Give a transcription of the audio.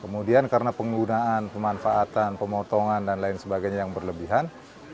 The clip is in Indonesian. kemudian karena penggunaan pemanfaatan pemotongan dan lain sebagainya yang berlebihan